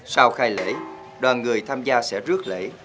sau khai lễ đoàn người tham gia sẽ rước lễ